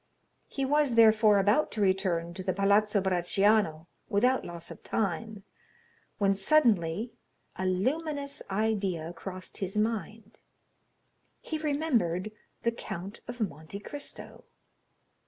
He was, therefore, about to return to the Palazzo Bracciano without loss of time, when suddenly a luminous idea crossed his mind. He remembered the Count of Monte Cristo.